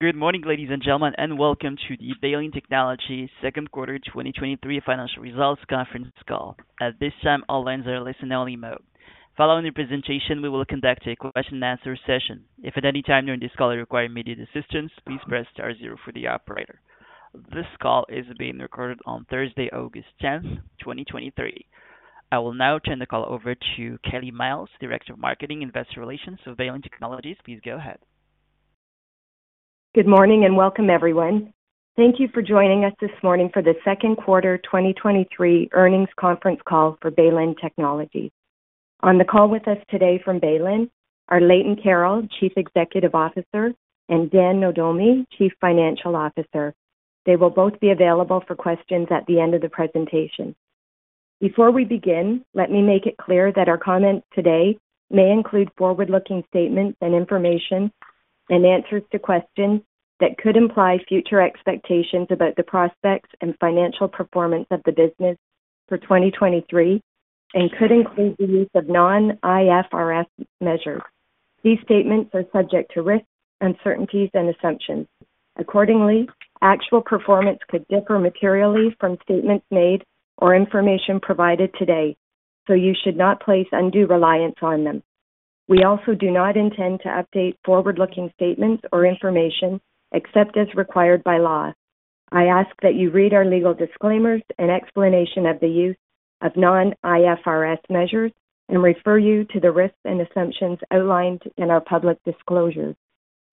Good morning, ladies and gentlemen, and welcome to the Baylin Technologies second quarter 2023 financial results conference call. At this time, all lines are listen-only mode. Following the presentation, we will conduct a question-and-answer session. If at any time during this call you require immediate assistance, please press star zero for the operator. This call is being recorded on Thursday, August 10th, 2023. I will now turn the call over to Kelly Myles, Director of Marketing and Investor Relations for Baylin Technologies. Please go ahead. Good morning. Welcome, everyone. Thank you for joining us this morning for the 2nd quarter 2023 earnings conference call for Baylin Technologies. On the call with us today from Baylin are Leighton Carroll, Chief Executive Officer, and Dan Nohdomi, Chief Financial Officer. They will both be available for questions at the end of the presentation. Before we begin, let me make it clear that our comments today may include forward-looking statements and information and answers to questions that could imply future expectations about the prospects and financial performance of the business for 2023 and could include the use of non-IFRS measures. These statements are subject to risks, uncertainties and assumptions. Accordingly, actual performance could differ materially from statements made or information provided today, so you should not place undue reliance on them. We also do not intend to update forward-looking statements or information except as required by law. I ask that you read our legal disclaimers and explanation of the use of non-IFRS measures and refer you to the risks and assumptions outlined in our public disclosures,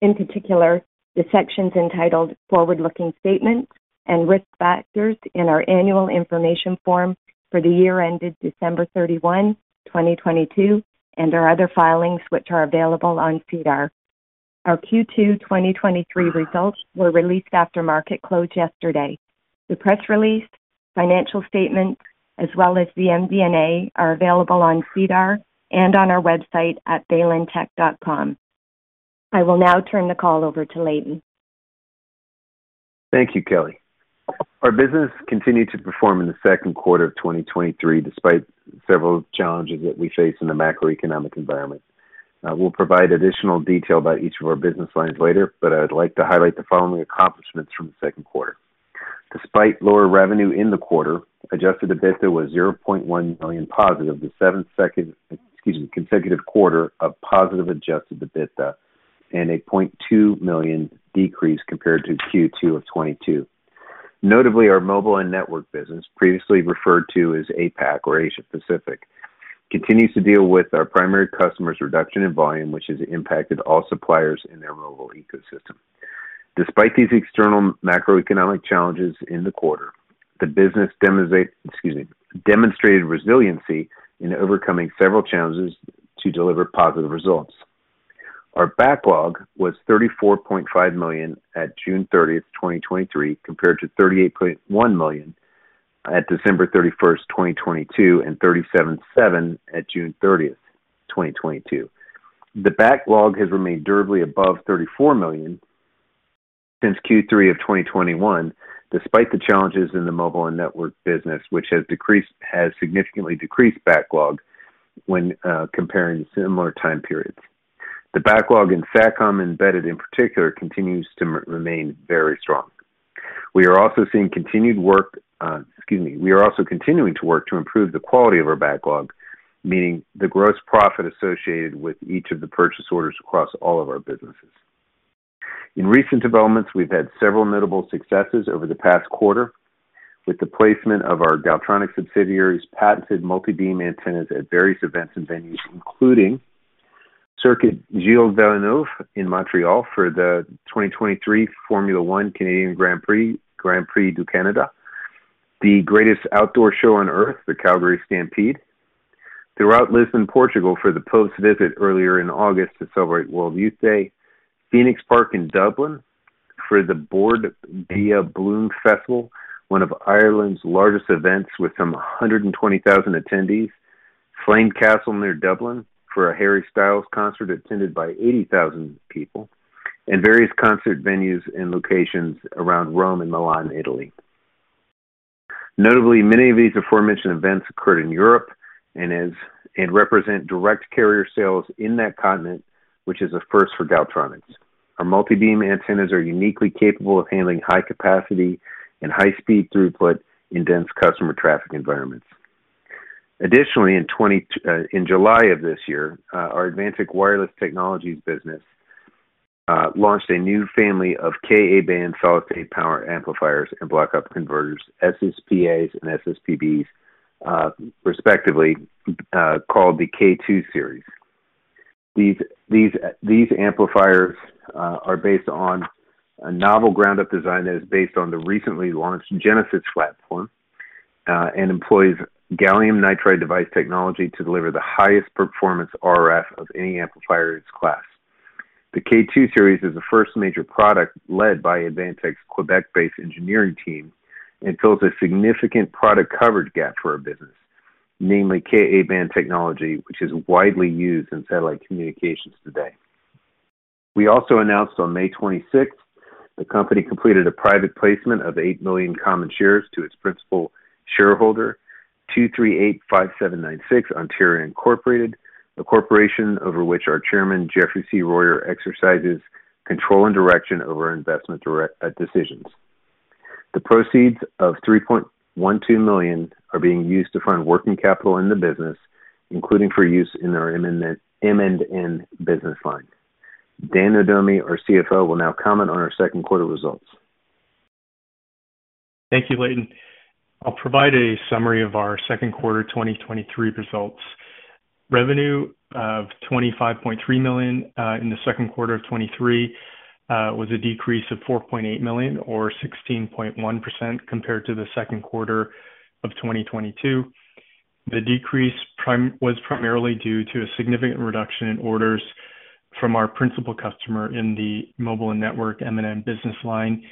in particular, the sections entitled Forward-Looking Statements and Risk Factors in our annual information form for the year ended December 31, 2022, and our other filings, which are available on SEDAR. Our Q2 2023 results were released after market close yesterday. The press release, financial statements, as well as the MD&A, are available on SEDAR and on our website at baylintech.com. I will now turn the call over to Leighton. Thank you, Kelly. We'll provide additional detail about each of our business lines later, but I'd like to highlight the following accomplishments from the second quarter. Despite lower revenue in the quarter, Adjusted EBITDA was 0.1 million positive, the seventh, excuse me, consecutive quarter of positive Adjusted EBITDA and a 0.2 million decrease compared to Q2 of 2022. Notably, our Mobile and Network business, previously referred to as APAC or Asia Pacific, continues to deal with our primary customer's reduction in volume, which has impacted all suppliers in their mobile ecosystem. Despite these external macroeconomic challenges in the quarter, the business, excuse me, demonstrated resiliency in overcoming several challenges to deliver positive results. Our backlog was $34.5 million at June 30th, 2023, compared to $38.1 million at December 31st, 2022, and $37.7 million at June 30, 2022. The backlog has remained durably above $34 million since Q3 of 2021, despite the challenges in the Mobile and Network business, which has decreased-- has significantly decreased backlog when comparing similar time periods. The backlog in Satcom embedded in particular, continues to m- remain very strong. We are also seeing continued work, excuse me, we are also continuing to work to improve the quality of our backlog, meaning the gross profit associated with each of the purchase orders across all of our businesses. In recent developments, we've had several notable successes over the past quarter with the placement of our Galtronics subsidiaries, patented multibeam antennas at various events and venues, including Circuit Gilles-Villeneuve in Montreal for the 2023 Formula 1 Canadian Grand Prix, Grand Prix du Canada, the greatest outdoor show on Earth, the Calgary Stampede, throughout Lisbon, Portugal, for the Pope's visit earlier in August to celebrate World Youth Day, Phoenix Park in Dublin for the Bord Bia Bloom Festival, one of Ireland's largest events with some 120,000 attendees, Slane Castle near Dublin for a Harry Styles concert attended by 80,000 people, and various concert venues and locations around Rome and Milan, Italy. Notably, many of these aforementioned events occurred in Europe and represent direct carrier sales in that continent, which is a first for Galtronics. Our multibeam antennas are uniquely capable of handling high capacity and high-speed throughput in dense customer traffic environments. Additionally, in July of this year, our Advantech Wireless Technologies business launched a new family of Ka-band Solid-State Power Amplifiers and Block Upconverters, SSPAs and SSPBs, respectively, called the K2 Series. These amplifiers are based on a novel ground-up design that is based on the recently launched Genesis platform and employs Gallium Nitride device technology to deliver the highest performance RF of any amplifier in its class. The K2 Series is the first major product led by Advantech's Quebec-based engineering team and fills a significant product coverage gap for our business, namely, Ka-band technology, which is widely used in satellite communications today. We also announced on May 26th, the company completed a private placement of eight million common shares to its principal shareholder, 2385796 Ontario Incorporated, a corporation over which our Chairman, Jeffrey C. Royer, exercises control and direction over investment decisions. The proceeds of $3.12 million are being used to fund working capital in the business, including for use in our M&N business line. Dan Nohdomi, our CFO, will now comment on our second quarter results. Thank you, Leighton. I'll provide a summary of our second quarter 2023 results. Revenue of $25.3 million in the second quarter of 2023 was a decrease of $4.8 million, or 16.1% compared to the second quarter of 2022. The decrease was primarily due to a significant reduction in orders from our principal customer in the Mobile and Network M&N business line,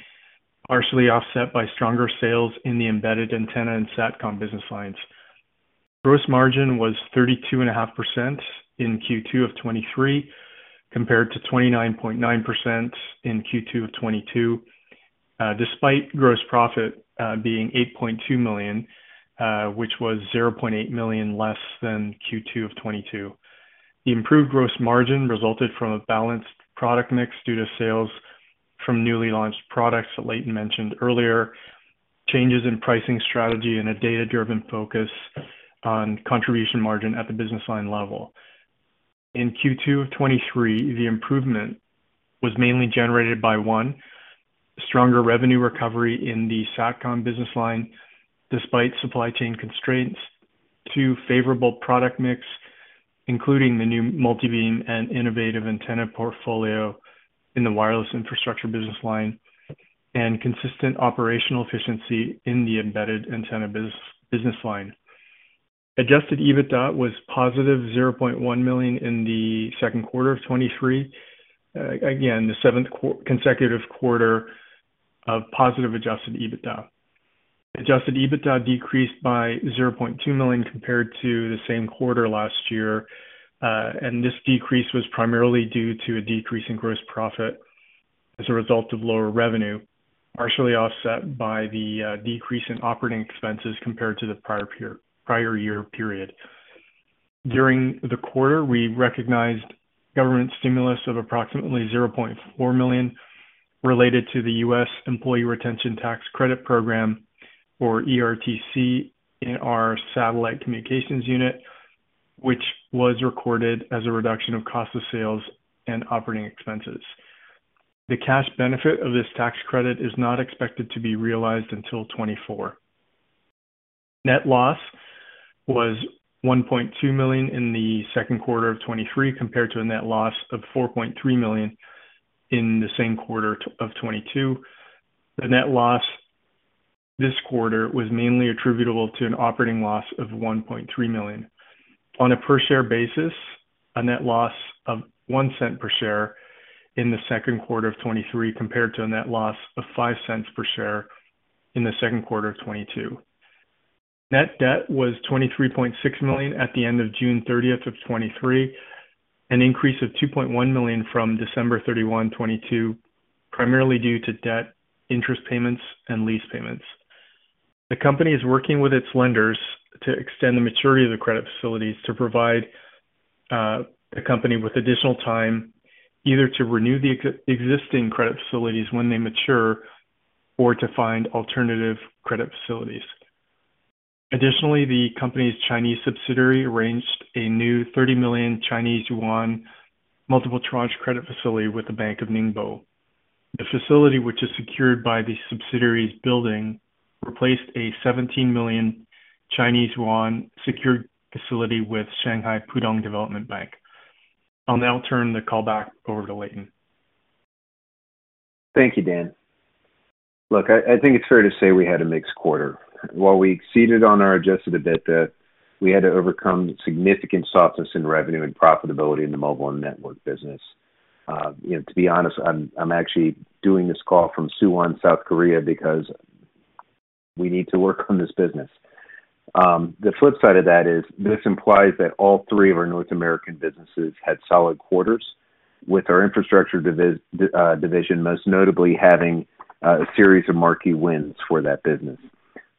partially offset by stronger sales in the embedded antenna and Satcom business lines. Gross margin was 32.5% in Q2 of 2023, compared to 29.9% in Q2 of 2022. Despite gross profit being $8.2 million, which was $0.8 million less than Q2 of 2022. The improved gross margin resulted from a balanced product mix due to sales from newly launched products that Leighton mentioned earlier, changes in pricing strategy, and a data-driven focus on contribution margin at the business line level. In Q2 of 2023, the improvement was mainly generated by, one, stronger revenue recovery in the Satcom business line despite supply chain constraints. Two, favorable product mix, including the new multibeam and innovative antenna portfolio in the wireless infrastructure business line, and consistent operational efficiency in the embedded antenna business line. Adjusted EBITDA was positive $0.1 million in the second quarter of 2023. Again, the seventh consecutive quarter of positive Adjusted EBITDA. Adjusted EBITDA decreased by $0.2 million compared to the same quarter last year. This decrease was primarily due to a decrease in gross profit as a result of lower revenue, partially offset by the decrease in operating expenses compared to the prior year period. During the quarter, we recognized government stimulus of approximately $0.4 million, related to the U.S. Employee Retention Tax Credit program, or ERTC, in our satellite communications unit, which was recorded as a reduction of cost of sales and operating expenses. The cash benefit of this tax credit is not expected to be realized until 2024. Net loss was $1.2 million in the second quarter of 2023, compared to a net loss of $4.3 million in the same quarter of 2022. The net loss this quarter was mainly attributable to an operating loss of 1.3 million. On a per-share basis, a net loss of 0.01 per share in the 2Q 2023, compared to a net loss of 0.05 per share in the 2Q 2022. Net debt was 23.6 million at the end of June 30, 2023, an increase of 2.1 million from December 31, 2022, primarily due to debt, interest payments, and lease payments. The company is working with its lenders to extend the maturity of the credit facilities to provide the company with additional time either to renew the existing credit facilities when they mature or to find alternative credit facilities. Additionally, the company's Chinese subsidiary arranged a new 30 million Chinese yuan multiple tranche credit facility with the Bank of Ningbo. The facility, which is secured by the subsidiary's building, replaced a 17 million Chinese yuan secured facility with Shanghai Pudong Development Bank. I'll now turn the call back over to Leighton. Thank you, Dan. Look, I think it's fair to say we had a mixed quarter. While we exceeded on our Adjusted EBITDA, we had to overcome significant softness in revenue and profitability in the Mobile and Network business. You know, to be honest, I'm actually doing this call from Suwon, South Korea, because we need to work on this business. The flip side of that is this implies that all three of our North American businesses had solid quarters, with our infrastructure division most notably having a series of marquee wins for that business.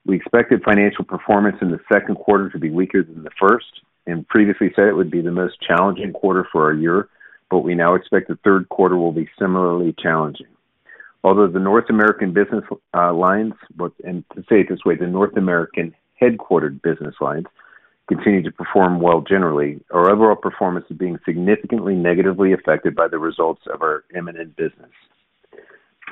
We expected financial performance in the second quarter to be weaker than the first and previously said it would be the most challenging quarter for our year, but we now expect the third quarter will be similarly challenging. Although the North American business lines, the North American headquartered business lines continue to perform well generally, our overall performance is being significantly negatively affected by the results of our M&N business.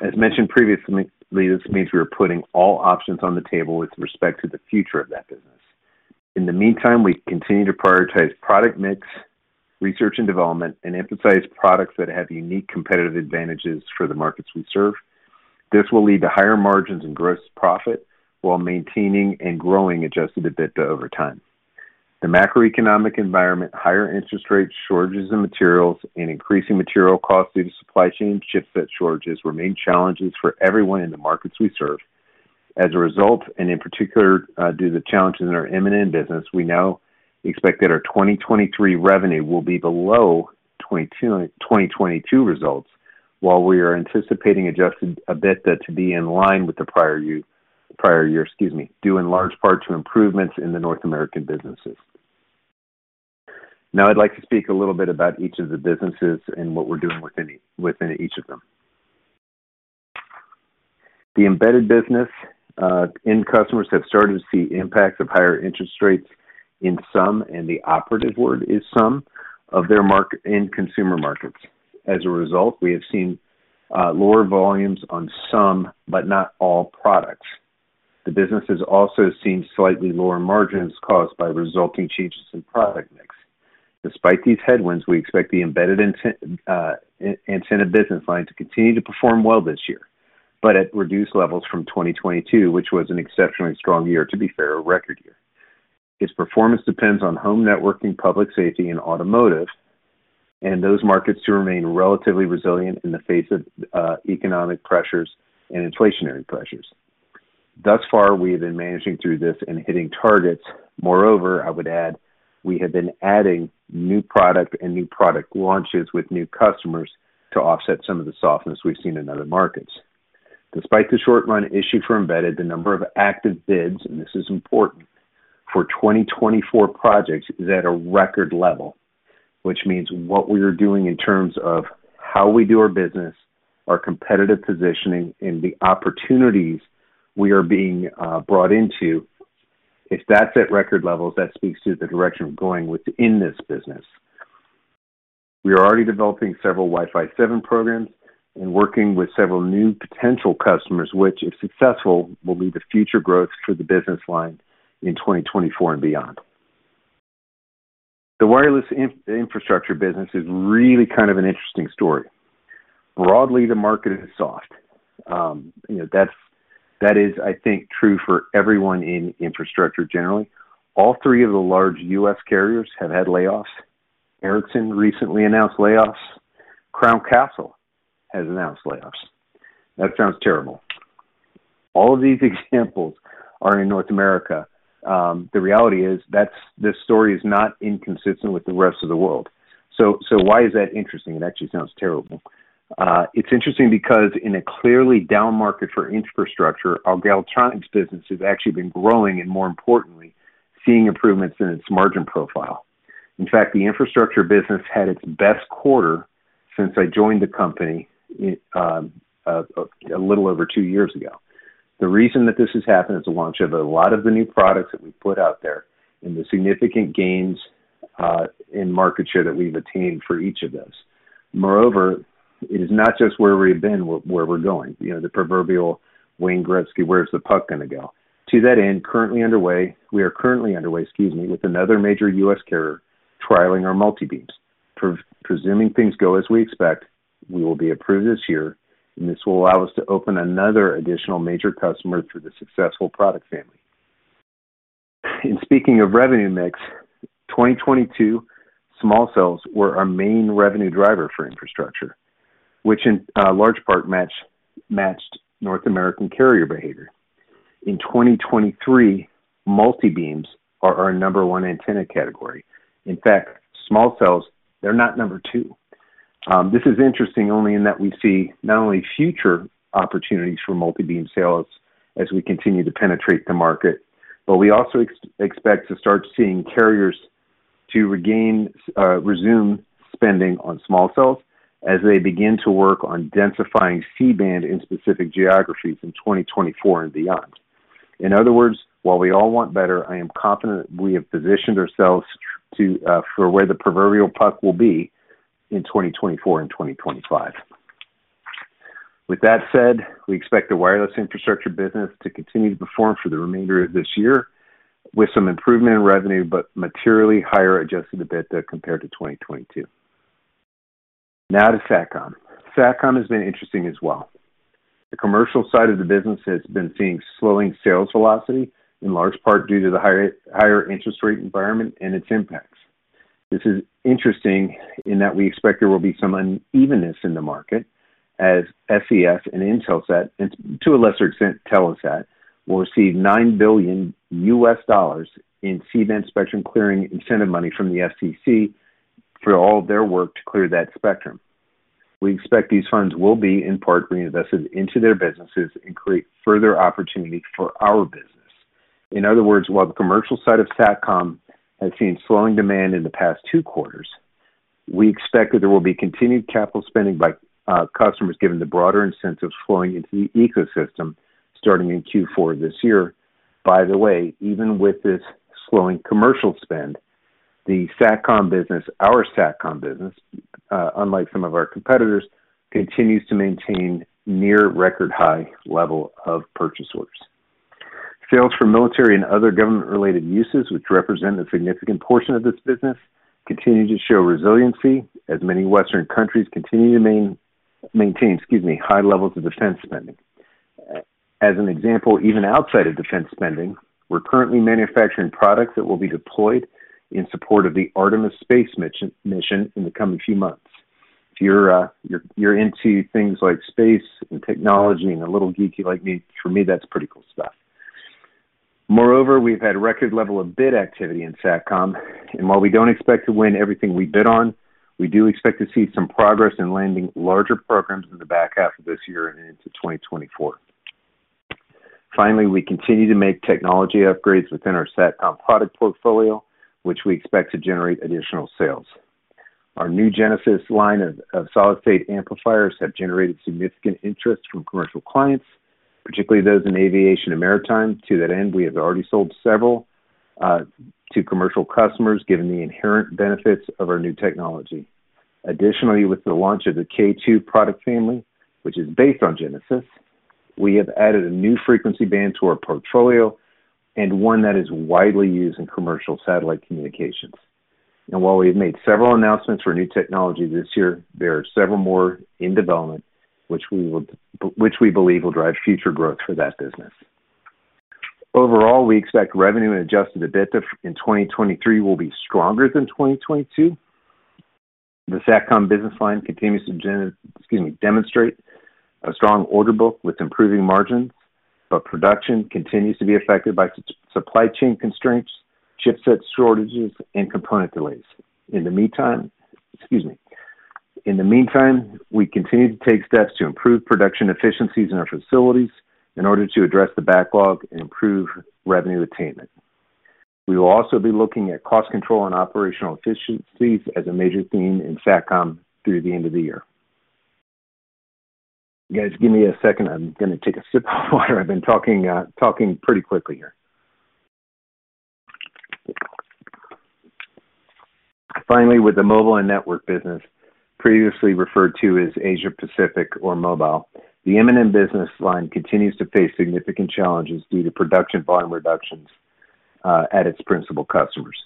As mentioned previously, this means we are putting all options on the table with respect to the future of that business. In the meantime, we continue to prioritize product mix, research and development, and emphasize products that have unique competitive advantages for the markets we serve. This will lead to higher margins and gross profit while maintaining and growing Adjusted EBITDA over time. The macroeconomic environment, higher interest rates, shortages of materials, and increasing material costs due to supply chain shifts and shortages remain challenges for everyone in the markets we serve. As a result, and in particular, due to the challenges in our M&N business, we now expect that our 2023 revenue will be below 2022 results. while we are anticipating Adjusted EBITDA to be in line with the prior year, prior year, excuse me, due in large part to improvements in the North American businesses. Now, I'd like to speak a little bit about each of the businesses and what we're doing within, within each of them. The embedded business, end customers have started to see impacts of higher interest rates in some, and the operative word is some, of their end consumer markets. As a result, we have seen, lower volumes on some, but not all products. The businesses also seen slightly lower margins caused by resulting changes in product mix. Despite these headwinds, we expect the embedded antenna business line to continue to perform well this year, but at reduced levels from 2022, which was an exceptionally strong year, to be fair, a record year. Its performance depends on home networking, public safety, and automotive, and those markets to remain relatively resilient in the face of economic pressures and inflationary pressures. Thus far, we have been managing through this and hitting targets. Moreover, I would add, we have been adding new product and new product launches with new customers to offset some of the softness we've seen in other markets. Despite the short-run issue for embedded, the number of active bids, and this is important, for 2024 projects, is at a record level, which means what we are doing in terms of how we do our business, our competitive positioning and the opportunities we are being brought into, if that's at record levels, that speaks to the direction we're going within this business. We are already developing several Wi-Fi 7 programs and working with several new potential customers, which, if successful, will lead to future growth for the business line in 2024 and beyond. The wireless infrastructure business is really kind of an interesting story. Broadly, the market is soft. You know, that is, I think, true for everyone in infrastructure generally. All three of the large U.S. carriers have had layoffs. Ericsson recently announced layoffs. Crown Castle has announced layoffs. That sounds terrible. All of these examples are in North America. The reality is that's, this story is not inconsistent with the rest of the world. Why is that interesting? It actually sounds terrible. It's interesting because in a clearly down market for infrastructure, our Galtronics business has actually been growing and more importantly, seeing improvements in its margin profile. In fact, the infrastructure business had its best quarter since I joined the company, a little over 2 years ago. The reason that this has happened is the launch of a lot of the new products that we put out there and the significant gains in market share that we've attained for each of those. Moreover, it is not just where we've been, but where we're going. You know, the proverbial Wayne Gretzky, where's the puck gonna go? To that end, currently underway, we are currently underway, excuse me, with another major US carrier trialing our multibeams. Presuming things go as we expect, we will be approved this year, and this will allow us to open another additional major customer through the successful product family. And speaking of revenue mix, 2022 Small Cells were our main revenue driver for infrastructure, which in large part matched North American carrier behavior. In 2023, multibeams are our number one antenna category. In fact, Small Cells, they're not number two. This is interesting only in that we see not only future opportunities for multibeam sales as we continue to penetrate the market, but we also expect to start seeing carriers to regain, resume spending on Small Cells as they begin to work on densifying C-band in specific geographies in 2024 and beyond. In other words, while we all want better, I am confident we have positioned ourselves to for where the proverbial puck will be in 2024 and 2025. That said, we expect the wireless infrastructure business to continue to perform for the remainder of this year with some improvement in revenue, but materially higher Adjusted EBITDA compared to 2022. Now to Satcom. Satcom has been interesting as well. The commercial side of the business has been seeing slowing sales velocity, in large part due to the higher, higher interest rate environment and its impacts. This is interesting in that we expect there will be some unevenness in the market as SES and Intelsat, and to a lesser extent, Telesat, will receive $9 billion in C-band spectrum clearing incentive money from the FCC for all of their work to clear that spectrum. We expect these funds will be, in part, reinvested into their businesses and create further opportunity for our business. In other words, while the commercial side of Satcom has seen slowing demand in the past two quarters, we expect that there will be continued capital spending by customers, given the broader incentives flowing into the ecosystem starting in Q4 this year. By the way, even with this slowing commercial spend, the Satcom business, our Satcom business, unlike some of our competitors, continues to maintain near record high level of purchase orders. Sales for military and other government-related uses, which represent a significant portion of this business, continue to show resiliency as many Western countries continue to main, maintain, excuse me, high levels of defense spending. As an example, even outside of defense spending, we're currently manufacturing products that will be deployed in support of the Artemis space mission in the coming few months. If you're into things like space and technology and a little geeky like me, for me, that's pretty cool stuff. Moreover, we've had record level of bid activity in Satcom, and while we don't expect to win everything we bid on, we do expect to see some progress in landing larger programs in the back half of this year and into 2024. Finally, we continue to make technology upgrades within our Satcom product portfolio, which we expect to generate additional sales. Our new Genesis line of solid-state amplifiers have generated significant interest from commercial clients, particularly those in aviation and maritime. To that end, we have already sold several to commercial customers, given the inherent benefits of our new technology. Additionally, with the launch of the K2 product family, which is based on Genesis, we have added a new frequency band to our portfolio and one that is widely used in commercial satellite communications. While we've made several announcements for new technology this year, there are several more in development which we believe will drive future growth for that business. Overall, we expect revenue and Adjusted EBITDA in 2023 will be stronger than 2022. The Satcom business line continues to demonstrate a strong order book with improving margins, production continues to be affected by supply chain constraints, chipset shortages, and component delays. In the meantime, excuse me. In the meantime, we continue to take steps to improve production efficiencies in our facilities in order to address the backlog and improve revenue attainment. We will also be looking at cost control and operational efficiencies as a major theme in Satcom through the end of the year. You guys, give me a second. I'm gonna take a sip of water. I've been talking, talking pretty quickly here. Finally, with the Mobile and Network business, previously referred to as Asia Pacific or mobile, the M&N business line continues to face significant challenges due to production volume reductions, at its principal customers.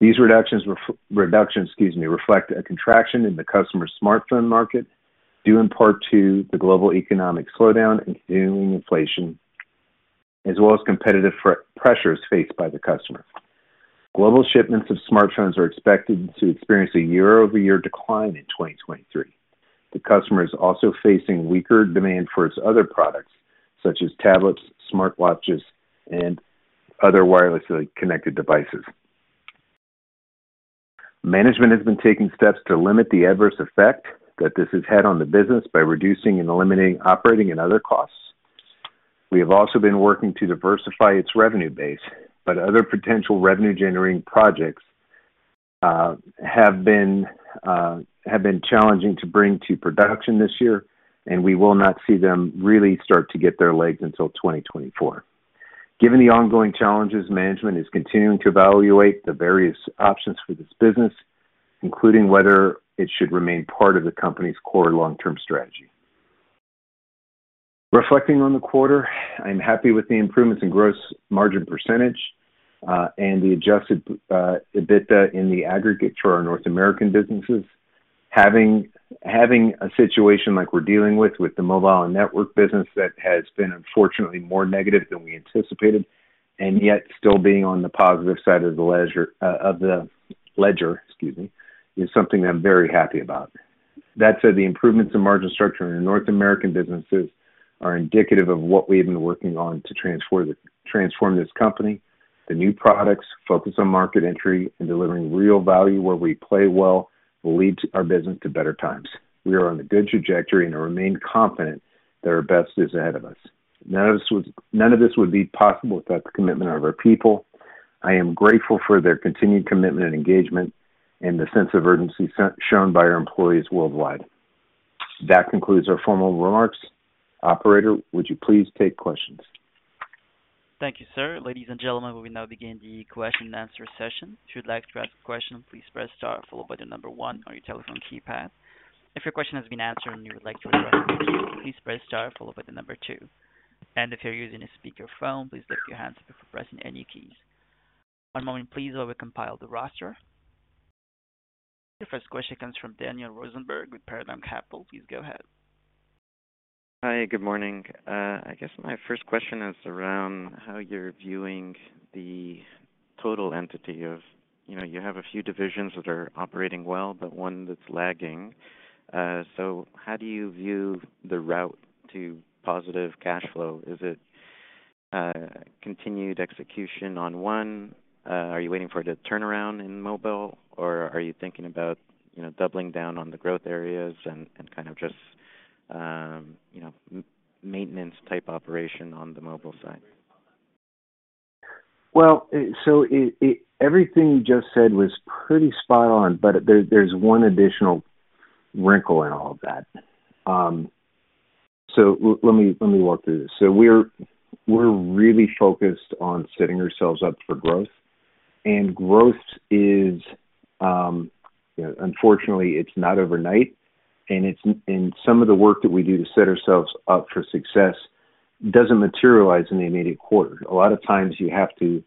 These reductions, excuse me, reflect a contraction in the customer smartphone market, due in part to the global economic slowdown and continuing inflation, as well as competitive pressures faced by the customer. Global shipments of smartphones are expected to experience a year-over-year decline in 2023. The customer is also facing weaker demand for its other products, such as tablets, smartwatches, and other wirelessly connected devices. Management has been taking steps to limit the adverse effect that this has had on the business by reducing and eliminating operating and other costs. We have also been working to diversify its revenue base, but other potential revenue-generating projects, have been, have been challenging to bring to production this year, and we will not see them really start to get their legs until 2024. Given the ongoing challenges, management is continuing to evaluate the various options for this business, including whether it should remain part of the company's core long-term strategy. Reflecting on the quarter, I'm happy with the improvements in gross margin percentage, and the adjusted EBITDA in the aggregate for our North American businesses. Having, having a situation like we're dealing with, with the Mobile and Network business, that has been unfortunately more negative than we anticipated, and yet still being on the positive side of the ledger, of the ledger, excuse me, is something I'm very happy about. That said, the improvements in margin structure in our North American businesses are indicative of what we've been working on to transform, transform this company. The new products focus on market entry and delivering real value where we play well, will lead our business to better times. We are on a good trajectory and I remain confident that our best is ahead of us. None of this, none of this would be possible without the commitment of our people. I am grateful for their continued commitment and engagement and the sense of urgency shown by our employees worldwide. That concludes our formal remarks. Operator, would you please take questions? Thank you, sir. Ladies and gentlemen, we will now begin the question and answer session. If you'd like to ask a question, please press star followed by 1 on your telephone keypad. If your question has been answered and you would like to withdraw, please press star followed by two. If you're using a speakerphone, please lift your hands before pressing any keys. One moment please while we compile the roster. Your first question comes from Daniel Rosenberg with Paradigm Capital. Please go ahead. Hi, good morning. I guess my first question is around how you're viewing the total entity of. You know, you have a few divisions that are operating well, but one that's lagging. How do you view the route to positive cash flow? Is it continued execution on one? Are you waiting for it to turn around in mobile? Or are you thinking about, you know, doubling down on the growth areas and, and kind of just, you know, maintenance type operation on the mobile side? Well, everything you just said was pretty spot on, but there, there's one additional wrinkle in all of that. Let me, let me walk through this. We're, we're really focused on setting ourselves up for growth. Growth is, you know, unfortunately, it's not overnight, and some of the work that we do to set ourselves up for success doesn't materialize in the immediate quarter. A lot of times you have to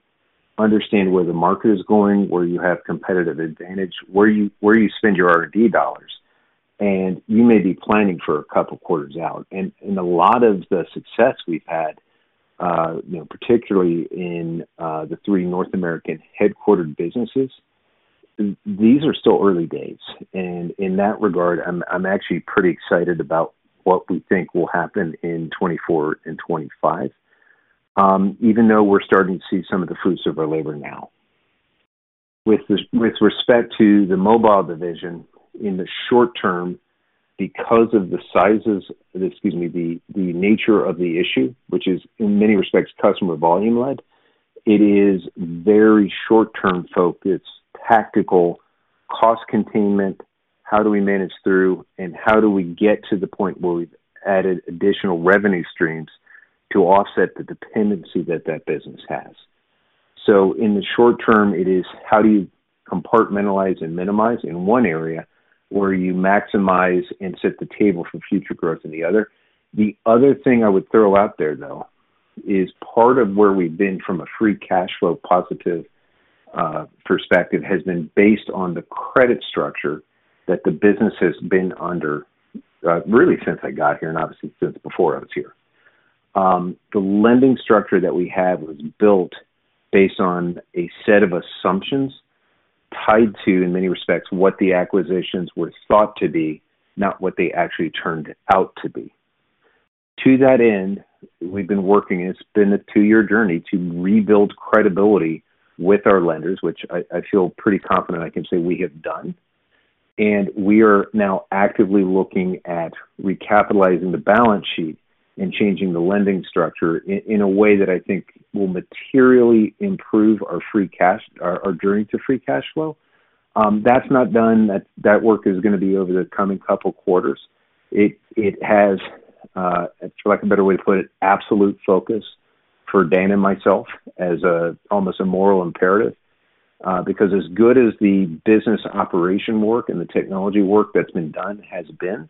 understand where the market is going, where you have competitive advantage, where you, where you spend your RD dollars, and you may be planning for a couple of quarters out. A lot of the success we've had, you know, particularly in the three North American headquartered businesses-... These are still early days, and in that regard, I'm actually pretty excited about what we think will happen in 2024 and 2025, even though we're starting to see some of the fruits of our labor now. With respect to the mobile division, in the short term, because of the sizes, excuse me, the nature of the issue, which is in many respects, customer volume-led, it is very short-term focused, tactical, cost containment, how do we manage through, and how do we get to the point where we've added additional revenue streams to offset the dependency that that business has? In the short term, it is how do you compartmentalize and minimize in one area, where you maximize and set the table for future growth in the other. The other thing I would throw out there, though, is part of where we've been from a free cash flow positive perspective, has been based on the credit structure that the business has been under, really since I got here, and obviously since before I was here. The lending structure that we had was built based on a set of assumptions tied to, in many respects, what the acquisitions were thought to be, not what they actually turned out to be. To that end, we've been working, and it's been a two-year journey to rebuild credibility with our lenders, which I, I feel pretty confident I can say we have done, and we are now actively looking at recapitalizing the balance sheet and changing the lending structure in, in a way that I think will materially improve our free cash, our, our journey to free cash flow. That's not done. That, that work is gonna be over the coming couple quarters. It, it has, for lack of a better way to put it, absolute focus for Dan and myself as almost a moral imperative, because as good as the business operation work and the technology work that's been done has been,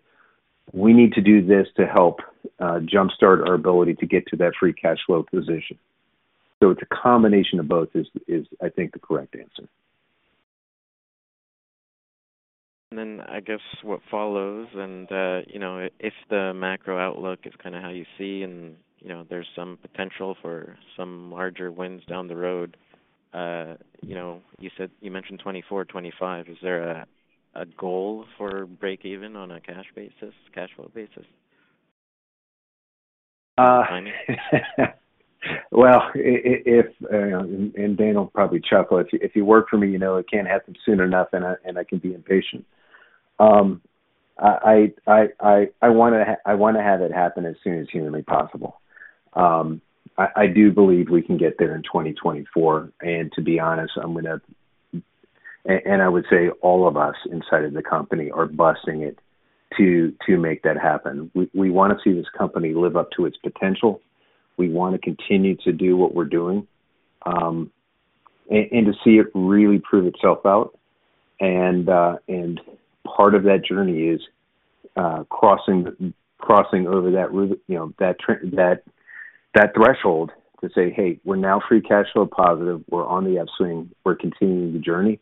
we need to do this to help jumpstart our ability to get to that free cash flow position. It's a combination of both is, is, I think, the correct answer. Then, I guess what follows and, you know, if the macro outlook is kind of how you see and, you know, there's some potential for some larger wins down the road, you know, you said-- you mentioned 2024, 2025. Is there a, a goal for break even on a cash basis, cash flow basis? Well, if, and, and Dan will probably chuckle. If you, if you work for me, you know I can't have them soon enough, and I, and I can be impatient. I wanna have it happen as soon as humanly possible. I, I do believe we can get there in 2024, and to be honest, I'm gonna. I would say all of us inside of the company are busting it to, to make that happen. We, we wanna see this company live up to its potential. We want to continue to do what we're doing, and to see it really prove itself out. Part of that journey is crossing, crossing over that, you know, that, that threshold to say, "Hey, we're now free cash flow positive. We're on the upswing. We're continuing the journey."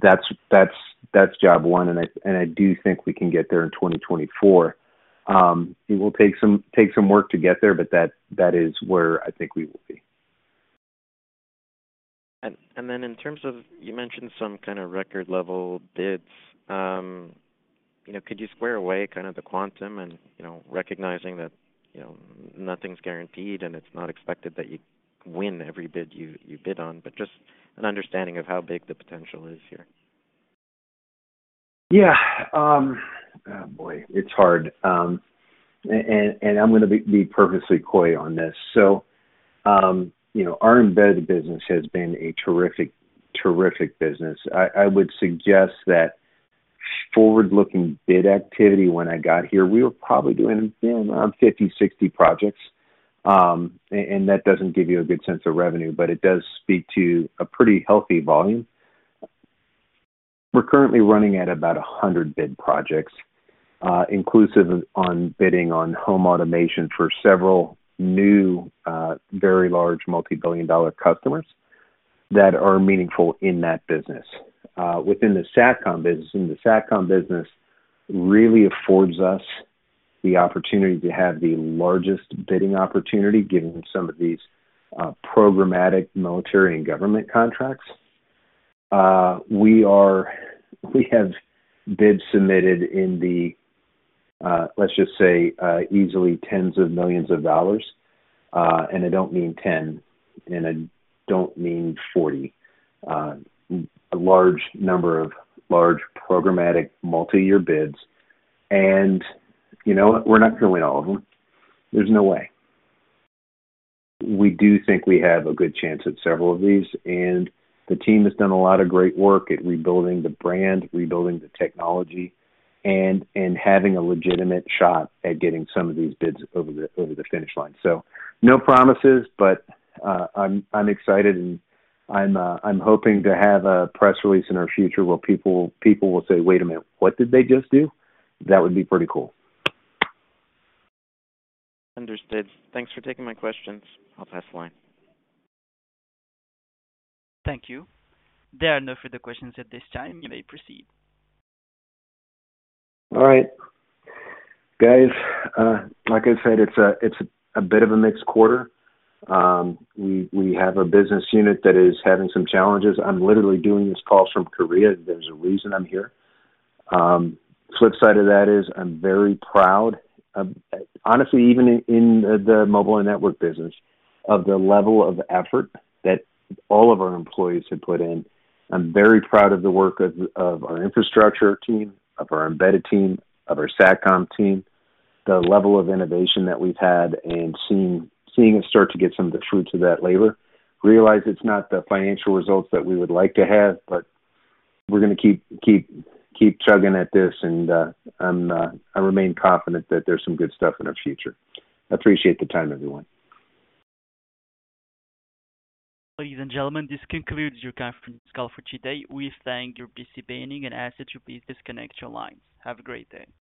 That's job one, and I, and I do think we can get there in 2024. It will take some work to get there, but that is where I think we will be. In terms of, you mentioned some kind of record-level bids. You know, could you square away kind of the quantum and, you know, recognizing that, you know, nothing's guaranteed, and it's not expected that you win every bid you, you bid on, but just an understanding of how big the potential is here? Yeah. Oh, boy, it's hard. I'm gonna be purposely coy on this. You know, our embedded business has been a terrific, terrific business. I would suggest that forward-looking bid activity when I got here, we were probably doing, you know, 50, 60 projects, and that doesn't give you a good sense of revenue, but it does speak to a pretty healthy volume. We're currently running at about 100 bid projects, inclusive on bidding on home automation for several new, very large, multi-billion dollar customers that are meaningful in that business. Within the SATCOM business, the SATCOM business really affords us the opportunity to have the largest bidding opportunity, given some of these programmatic, military, and government contracts. We are-- we have bids submitted in the, let's just say, easily tens of millions of dollars, and I don't mean ten, and I don't mean 40. A large number of large, programmatic, multi-year bids, and, you know, we're not going to win all of them. There's no way. We do think we have a good chance at several of these, and the team has done a lot of great work at rebuilding the brand, rebuilding the technology, and, and having a legitimate shot at getting some of these bids over the, over the finish line. No promises, but, I'm, I'm excited, and I'm, I'm hoping to have a press release in our future where people, people will say, "Wait a minute, what did they just do?" That would be pretty cool. Understood. Thanks for taking my questions. I'll pass the line. Thank you. There are no further questions at this time. You may proceed. All right. Guys, like I said, it's a bit of a mixed quarter. We have a business unit that is having some challenges. I'm literally doing this call from Korea. There's a reason I'm here. Flip side of that is I'm very proud of, honestly, even in the Mobile and Network business, of the level of effort that all of our employees have put in. I'm very proud of the work of our infrastructure team, of our embedded team, of our Satcom team, the level of innovation that we've had and seeing it start to get some of the fruits of that labor. Realize it's not the financial results that we would like to have, but we're gonna keep, keep, keep chugging at this, and I remain confident that there's some good stuff in our future. I appreciate the time, everyone. Ladies and gentlemen, this concludes your conference call for today. We thank you for participating and ask that you please disconnect your lines. Have a great day.